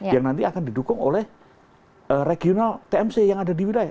yang nanti akan didukung oleh regional tmc yang ada di wilayah